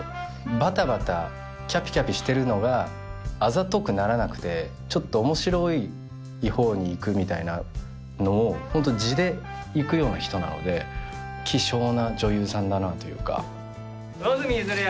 バタバタキャピキャピしてるのがあざとくならなくてちょっと面白い方にいくみたいなのをホント地でいくような人なので希少な女優さんだなというか・魚住譲役